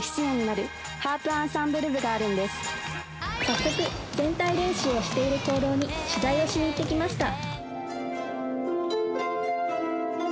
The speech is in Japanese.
早速、全体練習をしている講堂に取材をしに行ってきました。